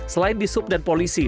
selain di sub dan polisi